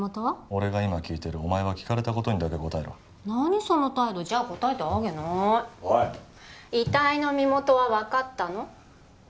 俺が今聞いてるお前は聞かれたことにだけ答えろ何その態度じゃあ答えてあげないおい遺体の身元は分かったの？